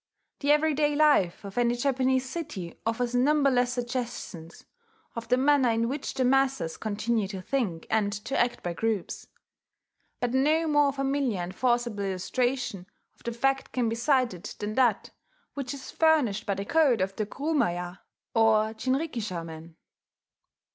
The everyday life of any Japanese city offers numberless suggestions of the manner in which the masses continue to think and to act by groups. But no more familiar and forcible illustration of the fact can be cited than that which is furnished by the code of the kurumaya or jinrikisha men.